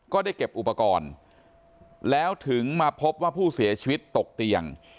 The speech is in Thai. ก็ได้เก็บอุปกรณ์แล้วถึงมาพบว่าผู้เสียชีวิตตกเตียง